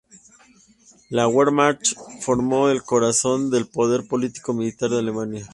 La "Wehrmacht" formó el corazón del poder político-militar de Alemania.